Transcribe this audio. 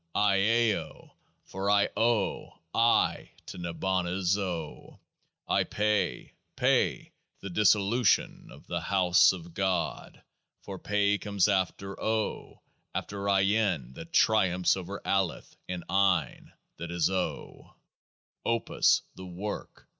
— IAO ! For I owe " I " aye to Nibbana's Oe. 28 1 Pay — Pe, the dissolution of the House of God — for Pe comes after O — after Ayin that triumphs over Aleph in Ain, that is O. 29 OP us, the Work